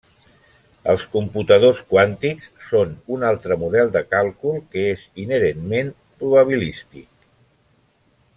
Els computadors quàntics són un altre model de càlcul que és inherentment probabilístic.